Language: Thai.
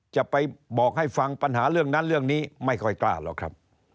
จะไปบอกให้ฟังปัญหาเรื่องนั้นเรื่องนี้ไม่ค่อยกล้าหรอกครับ